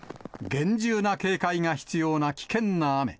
厳重な警戒が必要な危険な雨。